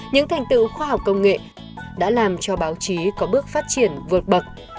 những thành tựu khoa học công nghệ đã làm cho báo chí có bước phát triển vượt bậc